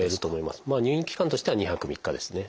まあ入院期間としては２泊３日ですね。